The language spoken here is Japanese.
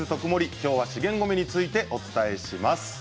きょうは資源ごみについてお伝えします。